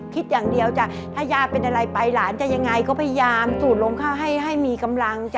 คิดอย่างเดียวจ้ะถ้าย่าเป็นอะไรไปหลานจะยังไงก็พยายามสูดลงข้าวให้ให้มีกำลังจ้